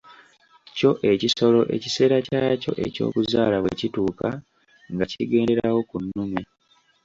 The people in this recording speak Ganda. Kyo ekisolo ekiseera kyakyo eky'okuzaala bwe kituuka nga kigenderawo ku nnume.